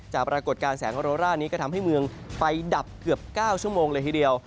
ปรากฏการณ์แสงโรร่านี้ก็ทำให้เมืองไฟดับเกือบ๙ชั่วโมงเลยทีเดียว